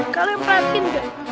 kalian perhatiin gak